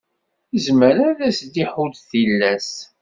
Zzman ad s-d-iḥudd tilas.